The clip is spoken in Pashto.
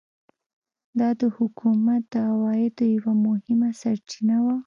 دا د حکومت د عوایدو یوه مهمه سرچینه وه.